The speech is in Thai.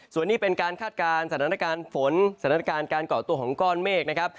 ส่วนนี้เป็นการคาดการณ์สถานการณ์ฝนสถานการณ์การเกาะตัวของก้อนเมฆนะครับ